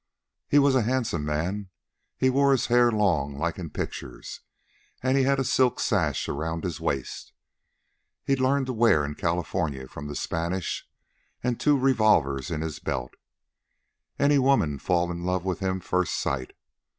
He was a handsome man. He wore his hair long like in pictures, and had a silk sash around his waist he'd learned to wear in California from the Spanish, and two revolvers in his belt. Any woman 'd fall in love with him first sight.